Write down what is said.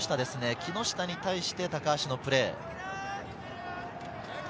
木下に対しての高橋のプレー。